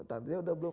tantanya sudah belum